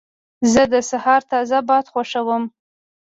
زه د سهار تازه باد خوښوم.